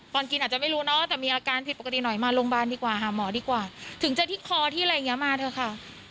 ตอนกินอาจจะไม่รู้เนาะแต่มีอาการผิดปกติหน่อยมาโรงพยาบาลดีกว่าหาหมอดีกว่าถึงจะที่คอที่อะไรอย่างนี้มาเถอะค่ะ